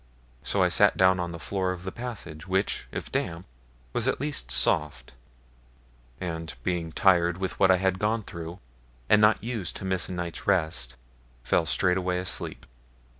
So I sat down on the floor of the passage, which, if damp, was at least soft, and being tired with what I had gone through, and not used to miss a night's rest, fell straightway asleep.